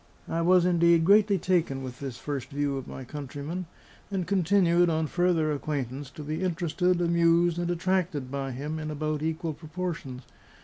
I was indeed greatly taken with this first view of my countryman, and continued, on further acquaintance, to be interested, amused, and attracted by him in about equal proportions.